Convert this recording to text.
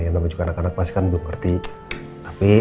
namanya juga anak anak pasti kan belum ngerti